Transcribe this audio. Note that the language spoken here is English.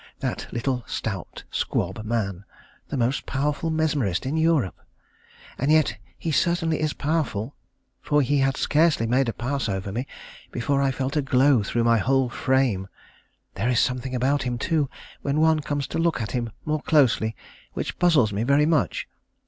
That little stout squab man, the most powerful mesmerist in Europe! And yet he certainly is powerful, for he had scarcely made a pass over me before I felt a glow through my whole frame. There is something about him, too, when one comes to look at him more closely, which puzzles me very much.